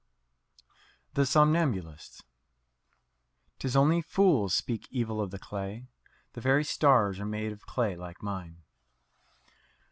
THE SOMNAMBULISTS "'Tis only fools speak evil of the clay The very stars are made of clay like mine."